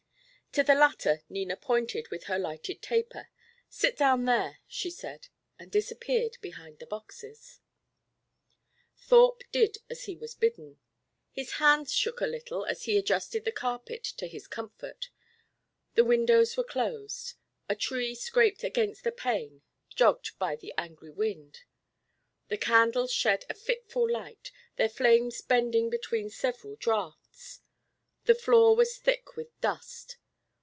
To the latter Nina pointed with her lighted taper. "Sit down there," she said, and disappeared behind the boxes. Thorpe did as he was bidden. His hands shook a little as he adjusted the carpet to his comfort. The windows were closed. A tree scraped against the pane, jogged by the angry wind. The candles shed a fitful light, their flames bending between several draughts. The floor was thick with dust.